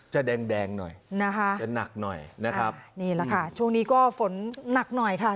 จะแดงแดงหน่อยนะคะจะหนักหน่อยนะครับนี่แหละค่ะช่วงนี้ก็ฝนหนักหน่อยค่ะ